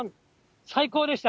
最高でした。